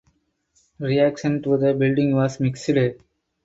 Reaction to the building was mixed.